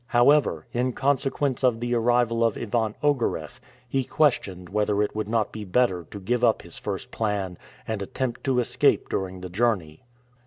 However, in consequence of the arrival of Ivan Ogareff, he questioned whether it would not be better to give up his first plan and attempt to escape during the journey.